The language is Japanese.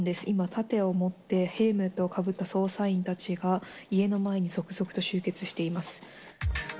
今、盾を持って、ヘルメットをかぶった捜査員たちが、家の前に続々と集結しています。